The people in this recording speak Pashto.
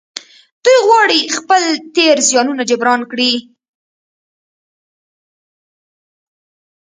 دوی غواړي خپل تېر زيانونه جبران کړي.